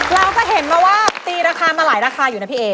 เราจะเห็นมาว่าตีราคามาหลายราคาอยู่นะพี่เอ๋